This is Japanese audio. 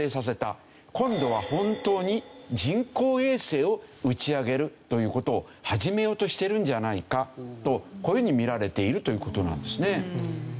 今度は本当に人工衛星を打ち上げるという事を始めようとしているんじゃないかとこういうふうに見られているという事なんですね。